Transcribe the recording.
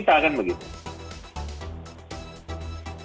itu hal hal yang kita harus lakukan